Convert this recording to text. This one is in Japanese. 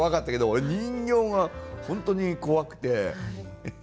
俺人形が本当に怖くて。